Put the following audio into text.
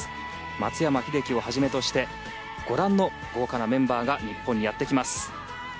松山英樹をはじめとしてご覧の豪華なメンバーが日本にやってきます。